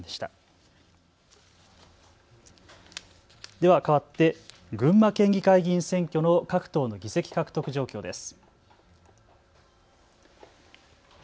では変わって群馬県議会議員選挙の各党の議席稼得状況です。